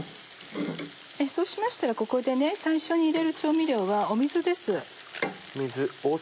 そうしましたらここで最初に入れる調味料は水です。